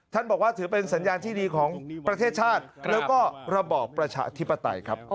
บอกว่าถือเป็นสัญญาณที่ดีของประเทศชาติแล้วก็ระบอบประชาธิปไตยครับ